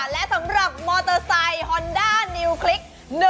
และสำหรับมอเตอร์ไซค์ฮอนด้านิวคลิก